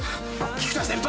菊田先輩！